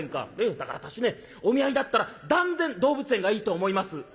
だから私ねお見合いだったら断然動物園がいいと思います」。